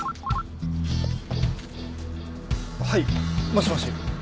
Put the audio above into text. はいもしもし